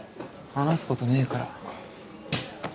話すことねぇから。